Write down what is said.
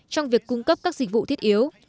trong việc cung cấp các dịch vụ thiết yếu